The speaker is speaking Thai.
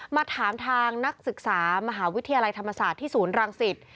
มาถามทางนักศึกษามหาวิทยาลัยธรรมศาสตร์ที่ศูนย์รังสิต